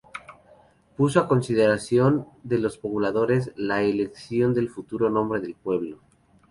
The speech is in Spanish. Puso a consideración de los pobladores la elección del futuro nombre del pueblo.